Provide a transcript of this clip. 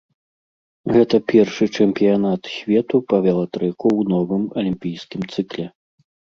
Гэта першы чэмпіянат свету па велатрэку ў новым алімпійскім цыкле.